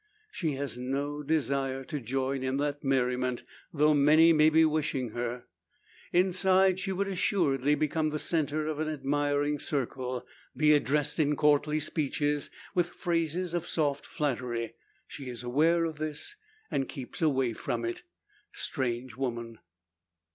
She has no desire to join in that merriment, though many may be wishing her. Inside she would assuredly become the centre of an admiring circle; be addressed in courtly speeches, with phrases of soft flattery. She is aware of this, and keeps away from it. Strange woman!